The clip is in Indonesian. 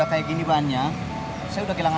aku merupakan built like a hoe